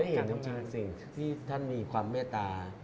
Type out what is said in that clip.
แล้วผมได้เห็นจริงที่ท่านมีความเมตตา